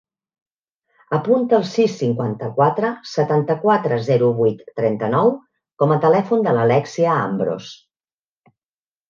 Apunta el sis, cinquanta-quatre, setanta-quatre, zero, vuit, trenta-nou com a telèfon de l'Alèxia Ambros.